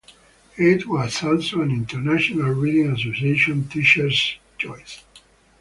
It was also an International Reading Association Teachers' Choice.